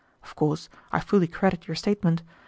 Of course, I fully credit your statement.